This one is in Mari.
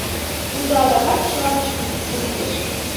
Тудо адакат чыла деч писын тунемеш.